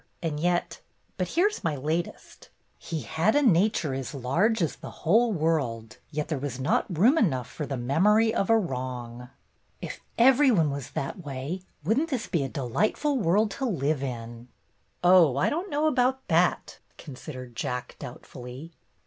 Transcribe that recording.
And yet — But here 's my latest: 'He had a nature as large as the whole world, yet there was not room enough for the memory of a wrong.' If every one was that way, would n't this be a delightful world to live in !" "Oh, I don't know about that," considered Jack, doubtfully.